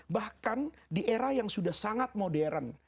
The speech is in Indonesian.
bahkan di era yang sudah sangat modern